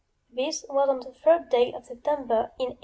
This was on the 3d day of September in 1873.